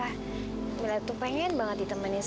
karena mila tuh pengen banget ditemani